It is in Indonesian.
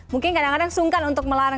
mungkin kadang kadang sungkan untuk melarang